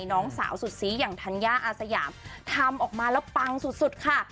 น้องสาวสุดซีอย่างธัญญาอาสยามทำออกมาแล้วปังสุดสุดค่ะ